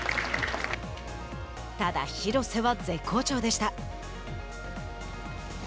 ただ、廣瀬は絶好調でした。